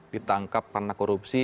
ditangkap karena korupsi